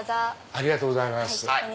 ありがとうございます。